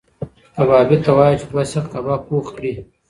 کبابي ته وایه چې دوه سیخه کباب پخ کړي.